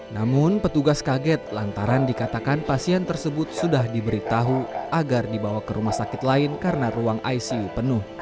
namun petugas kaget lantaran dikatakan pasien tersebut sudah diberitahu agar dibawa ke rumah sakit lain karena ruang icu penuh